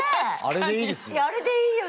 あれでいいですよ。